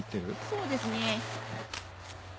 そうですね。